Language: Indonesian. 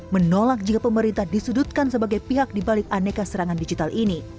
menolak jika pemerintah disudutkan sebagai pihak dibalik aneka serangan digital ini